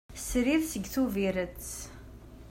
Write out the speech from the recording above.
Srid seg Tubiret.